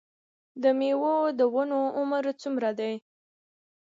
د میوو د ونو عمر څومره دی؟